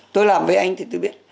tôi làm với anh thì tôi biết